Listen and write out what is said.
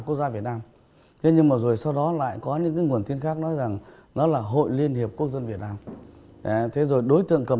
quốc gia việt nam riêng hay là hội liên hiệp quốc dân việt nam